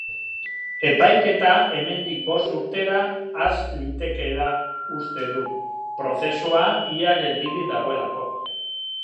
Epaiketa hemendik bost urtera has litekeela uste du prozesua ia geldirik dagoelako.